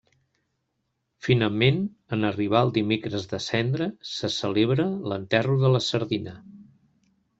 Finalment, en arribar el Dimecres de Cendra, se celebra l'Enterro de la Sardina.